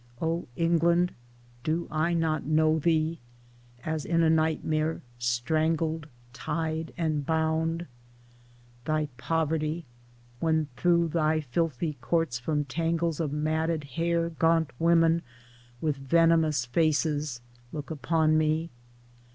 O England, do I not know thee — as in a nightmare strangled tied and bound ? Thy poverty — when through thy filthy courts from tangles of matted hair gaunt women with venomous faces look upon me?